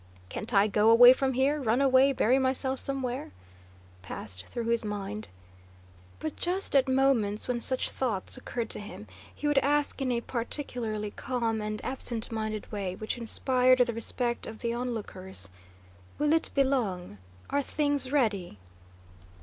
Can't I go away from here, run away, bury myself somewhere?" passed through his mind. But just at moments when such thoughts occurred to him, he would ask in a particularly calm and absent minded way, which inspired the respect of the onlookers, "Will it be long? Are things ready?"